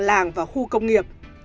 làng và khu công nghiệp